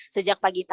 sejak pada saat ini